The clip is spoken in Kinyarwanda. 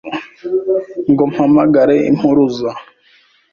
Ngo mpamagare impuruza